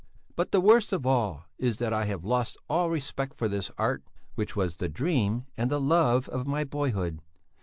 "But the worst of all is that I have lost all respect for this art, which was the dream and the love of my boyhood.